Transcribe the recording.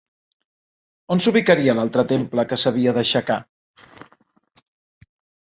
On s'ubicaria l'altre temple que s'havia d'aixecar?